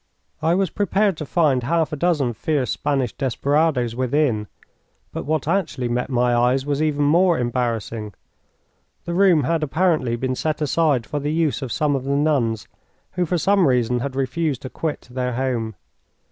I was prepared to find half a dozen fierce Spanish desperadoes within, but what actually met my eyes was even more embarrassing. The room had apparently been set aside for the use of some of the nuns, who for some reason had refused to quit their home.